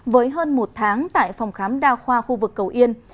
với hơn một tháng tại phòng khám đa khoa khu vực cầu yên